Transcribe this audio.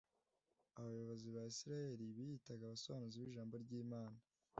abayobozi ba isiraheli biyitaga abasobanuzi b’ijambo ry’imana